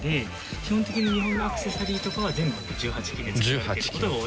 基本的に日本のアクセサリーとかは全部１８金で作られてる事が多いですね。